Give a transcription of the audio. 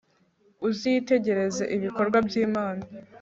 uzitegereze ibikorwa by'iman